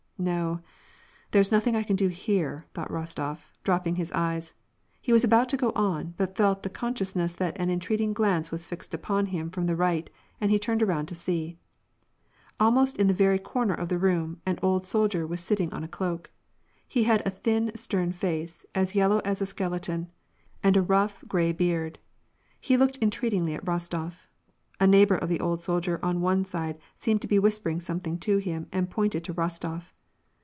" No, there^s nothing I can do here," thought Rostof, drop ping his eyes ; he was about to go on, but felt the conscious ness that an entreating glance was fixed upon him from the right, and he turned around to see. Almost in the very corner of the room, an old soldier was sitting on a cloak. He had a thin, stem face, as yellow as a skeleton, and a rough, gray beard : he looked entreatingly at Rostof. A neighbor of the old sol dier on one side seemed to be whispering something to him, and pointed to Rostof.